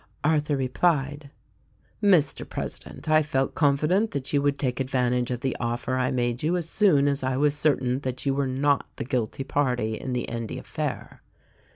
Arthur replied : "Mr President, I felt confident .that you would take advantage of the offer I made you as soon as I was certain that you were not the guilty party in the Endy affair.